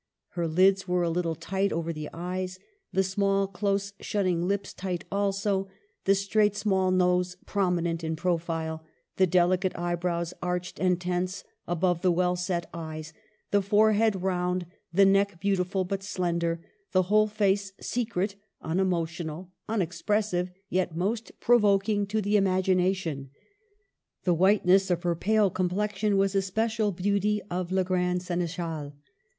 Her Hds were a Httle tight over the eyes ; the small, close shutting lips tight also ; the straight, small nose prominent in profile ; the delicate eyebrows arched and tense above the well set eyes ; the forehead round; the neck beautiful but slender; the whole face secret, unemotional, unexpressive, yet most provoking to the imagination. The whiteness of her pale complexion was a special beauty of la grande Seneschale.